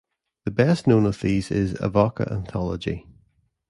The best known of these is Avoca Anthology.